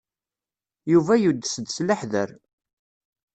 Yuba yudes-d s leḥder.